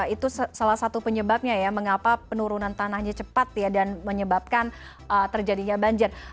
itu salah satu penyebabnya ya mengapa penurunan tanahnya cepat ya dan menyebabkan terjadinya banjir